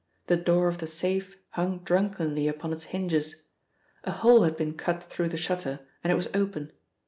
The door of the safe hung drunkenly upon its hinges. A hole had been cut through the shutter and it was open.